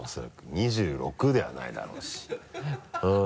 ２６ではないだろうしうん。